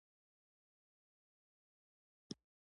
د راتلونکي تصور د انساني پرمختګ بنسټ دی.